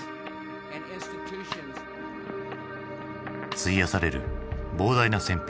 費やされる膨大な戦費。